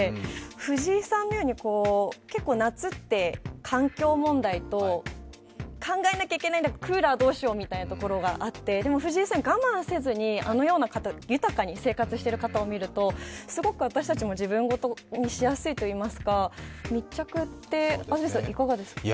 フジイさんのように、夏って環境問題と考えなきゃいけないのがクーラーどうしようというのがあってでもフジイさん、我慢せずに豊かに生活している方を見ると、すごく私たちも自分ごとにしやすいというか、密着とか、どうですか。